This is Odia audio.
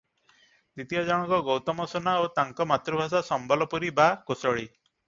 ଦ୍ୱିତୀୟ ଜଣକ ଗୌତମ ସୁନା ଓ ତାଙ୍କ ମାତୃଭାଷା ସମ୍ବଲପୁରୀ ବା କୋସଳୀ ।